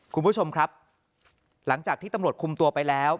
คุณผู้ชมครับหลังจากที่ตำรวจคุมตัวไปแล้ว